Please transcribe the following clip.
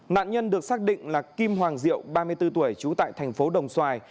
nạn nhân được xác định là kim hoàng diệu ba mươi bốn tuổi trú tại thành phố đồng xoài